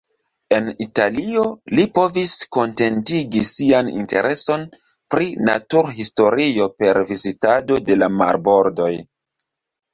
En Italio, li povis kontentigi sian intereson pri naturhistorio per vizitado de la marbordoj.